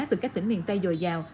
từ các tỉnh miền tây dồi dào